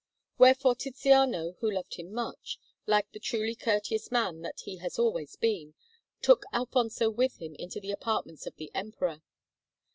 Wherefore Tiziano, who loved him much, like the truly courteous man that he has always been, took Alfonso with him into the apartments of the Emperor.